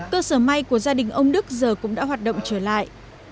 cơ sở may của gia đình ông đức giờ cũng đã hoạt động trở lại